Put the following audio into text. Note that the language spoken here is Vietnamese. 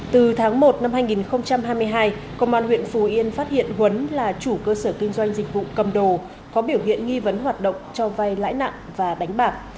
từ tháng một năm hai nghìn hai mươi hai công an huyện phù yên phát hiện huấn là chủ cơ sở kinh doanh dịch vụ cầm đồ có biểu hiện nghi vấn hoạt động cho vay lãi nặng và đánh bạc